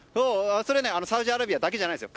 それはサウジアラビアだけじゃないんです。